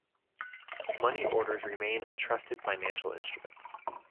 Money orders remain a trusted financial instrument.